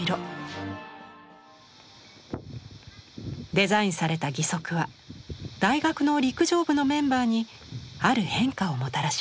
デザインされた義足は大学の陸上部のメンバーにある変化をもたらします。